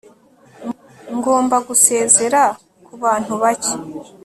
ngomba gusezera kubantu bake